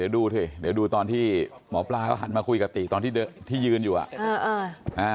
เดี๋ยวดูตอนที่หมอปราหันมาคุยกับติที่ยืนอยู่